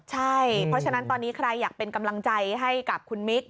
ใช่เพราะฉะนั้นตอนนี้ใครอยากเป็นกำลังใจให้กับคุณมิค